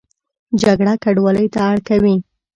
جګړه کډوالۍ ته اړ کوي